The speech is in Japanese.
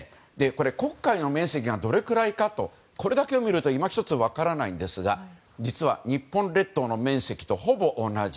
これ、黒海の面積がどれくらいかこれだけ見るといま一つ分からないんですが実は日本列島のほぼ同じ。